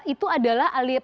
itu adalah potensi